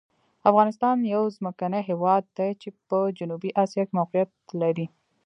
افغانستان یو ځمکني هېواد دی چې په جنوبي آسیا کې موقعیت لري.